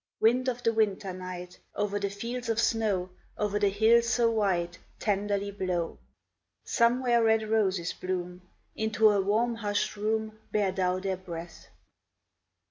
Wind of the winter night, Over the fields of snow, Over tlie hill so white, Tenderly blow ! Somewhere red roses bloom ; Into her warm, hushed room, Bear thou their breath.